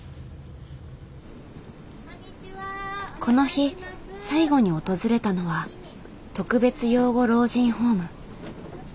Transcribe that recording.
この日最後に訪れたのは特別養護老人ホーム。